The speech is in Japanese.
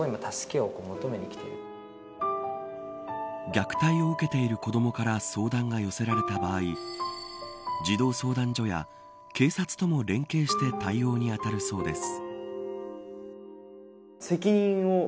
虐待を受けている子どもから相談が寄せられた場合児童相談所や警察とも連携して対応に当たるそうです。